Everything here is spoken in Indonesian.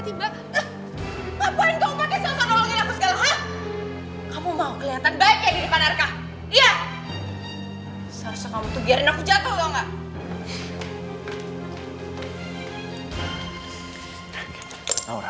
selesa kamu tuh biarin aku jatuh tau gak